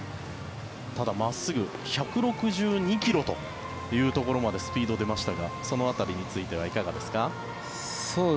ただ、真っすぐ１６２ｋｍというところまでスピードが出ましたがその辺りについてはいかがですか。